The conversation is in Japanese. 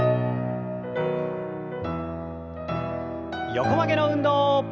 横曲げの運動。